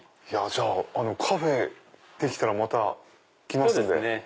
じゃあカフェできたらまた来ますんで。